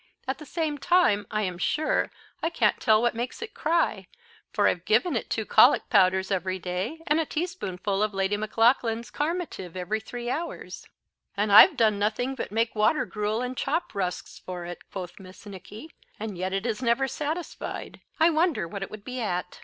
At the same time, I am sure, I can't tell what makes it cry, for I've given it two colic powders every day, and a tea spoonful of Lady Maclaughlan's carminative every three hours." "And I've done nothing but make water gruel and chop rusks for it," quoth Miss Nicky, "and yet it is never satisfied; I wonder what it would be at."